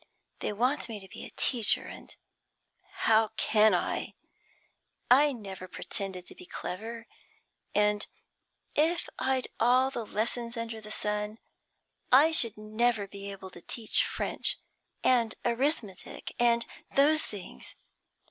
They want me to be a teacher, and how can I? I never pretended to be clever, and if I'd all the lessons under the sun, I should never be able to teach French and arithmetic and those things.